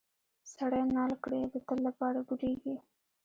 سړی نال کړې د تل لپاره ګوډیږي.